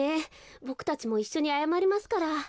ボクたちもいっしょにあやまりますから。